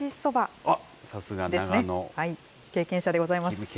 あっ、経験者でございます。